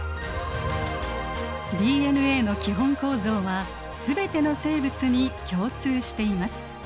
ＤＮＡの基本構造は全ての生物に共通しています。